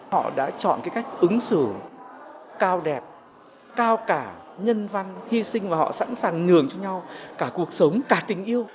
họ đã chọn cái cách ứng xử cao đẹp cao cả nhân văn hy sinh và họ sẵn sàng ngường cho nhau cả cuộc sống cả tình yêu